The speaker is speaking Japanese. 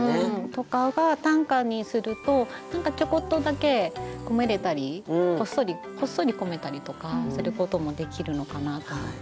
とかが短歌にすると何かちょこっとだけ込めれたりこっそりこっそり込めたりとかすることもできるのかなと思って。